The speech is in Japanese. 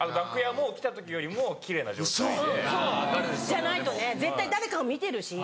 じゃないとね絶対誰かが見てるし。